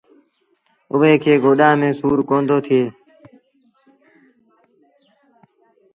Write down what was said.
اُئي کي ڪوڏآن ميݩ سُور ڪوندو ٿئي۔